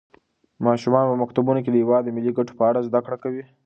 ماشومان په مکتبونو کې د هېواد د ملي ګټو په اړه زده کړه کوي.